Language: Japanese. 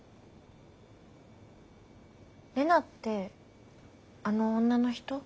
レナってあの女の人？